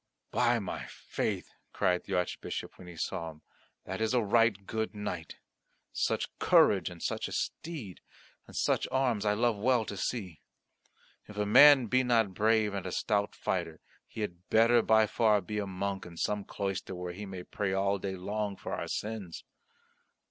"By my faith," cried the Archbishop when he saw him, "that is a right good knight! Such courage, and such a steed, and such arms I love well to see. If a man be not brave and a stout fighter, he had better by far be a monk in some cloister where he may pray all day long for our sins."